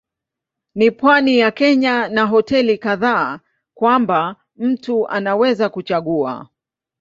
Ni pwani ya Kenya na hoteli kadhaa kwamba mtu anaweza kuchagua.